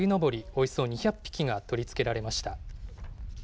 およそ２００匹が取り付けられました。